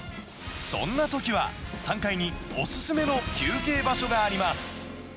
そんなときは３階にお勧めの休憩場所があります。